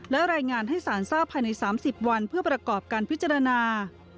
และรายงานให้สารทราบภายใน๓๐วันเพื่อประกอบการพิจารณา